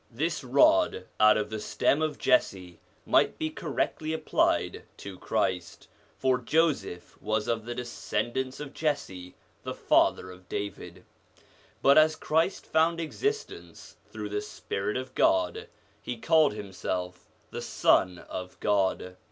This rod out of the stem of Jesse might be correctly applied to Christ, for Joseph was of the descendants of Jesse the father of David; but as Christ found exist ence through the Spirit of God, he called himself the Son of God.